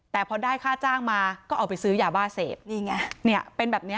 แต่พอได้ค่าจ้างมาก็เอาไปซื้อยาบ้าเสพนี่ไงเนี่ยเป็นแบบเนี้ย